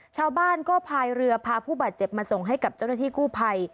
ชาวบ้านก็พายเรือพาผู้บาดเจ็บมาส่งให้กับเจ้าหน้าที่กู้ภัย